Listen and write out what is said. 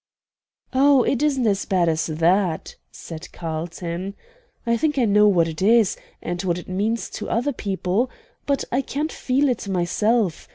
"Oh, it isn't as bad as that," said Carlton. "I think I know what it is, and what it means to other people, but I can't feel it myself.